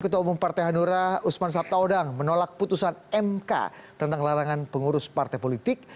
ketua umum partai hanura usman sabtaodang menolak putusan mk tentang larangan pengurus partai politik